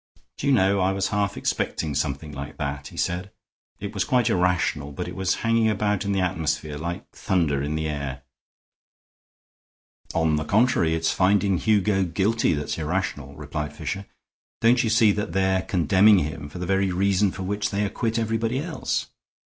"Do you know, I was half expecting something like that," he said. "It was quite irrational, but it was hanging about in the atmosphere, like thunder in the air." "On the contrary, it's finding Hugo guilty that's irrational," replied Fisher. "Don't you see that they're condemning him for the very reason for which they acquit everybody else?